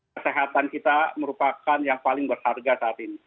kesehatan kita merupakan yang paling berharga saat ini